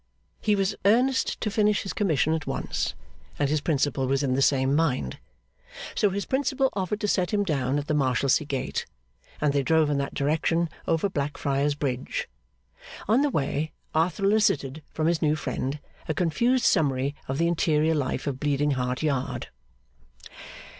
He was earnest to finish his commission at once, and his Principal was in the same mind. So his Principal offered to set him down at the Marshalsea Gate, and they drove in that direction over Blackfriars Bridge. On the way, Arthur elicited from his new friend a confused summary of the interior life of Bleeding Heart Yard.